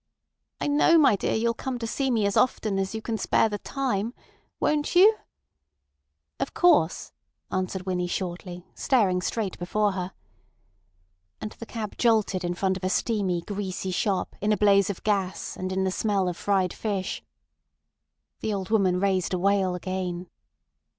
"I know, my dear, you'll come to see me as often as you can spare the time. Won't you?" "Of course," answered Winnie shortly, staring straight before her. And the cab jolted in front of a steamy, greasy shop in a blaze of gas and in the smell of fried fish. The old woman raised a wail again.